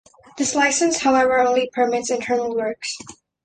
This license however only permits internal works.